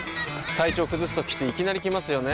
体調崩すときっていきなり来ますよね。